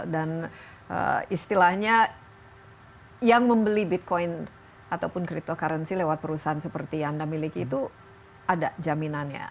dan istilahnya yang membeli bitcoin ataupun cryptocurrency lewat perusahaan seperti yang anda miliki itu ada jaminannya